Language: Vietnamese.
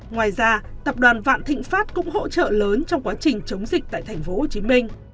ngoài ra tập đoàn vạn thịnh pháp cũng hỗ trợ lớn trong quá trình chống dịch tại tp hcm